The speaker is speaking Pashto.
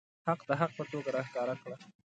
حق د حق په توګه راښکاره کړه.